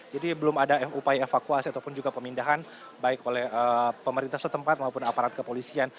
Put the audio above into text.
jadi belum ada upaya evakuasi ataupun juga pemindahan baik oleh pemerintah setempat maupun aparat kepolisian